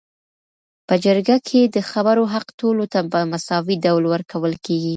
په جرګه کي د خبرو حق ټولو ته په مساوي ډول ورکول کيږي